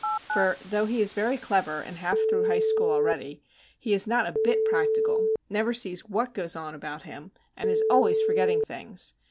For, though he is very clever and half through High School already, he is not a bit practical, never sees what goes on about him, and is always forgetting things.